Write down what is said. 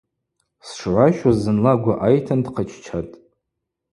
Сшгӏващуз зынла гвы айтын дхъыччатӏ.